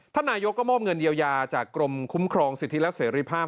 นายกก็มอบเงินเยียวยาจากกรมคุ้มครองสิทธิและเสรีภาพ